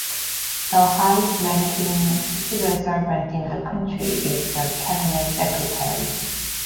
The highest ranking civil servant in the country is the Cabinet Secretary.